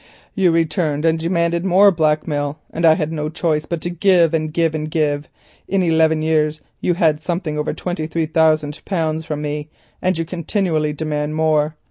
"You returned and demanded more blackmail, and I had no choice but to give, and give, and give. In eleven years you had something over twenty three thousand pounds from me, and you continually demand more.